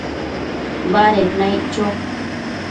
baded naic cho